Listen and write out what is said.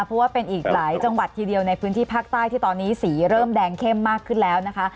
เพราะว่าเป็นอีกหลายจังหวัดทีเดียวในพื้นที่ภาคใต้ที่ตอนนี้สีเริ่มแดงเข้มมากขึ้นแล้วนะคะ